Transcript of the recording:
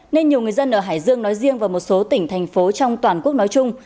nên nhiều người dân ở hải dương nói riêng và một số tỉnh thành phố trong toàn quốc nói chung